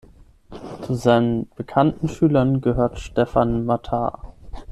Zu seinen bekannten Schülern gehörte Stephan Mattar.